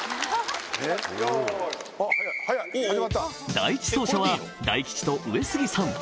・第１走者は大吉と上杉さん